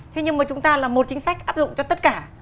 thế nhưng mà chúng ta là một chính sách áp dụng cho tất cả